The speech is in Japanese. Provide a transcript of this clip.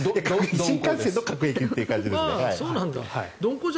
新幹線の各駅って感じですね。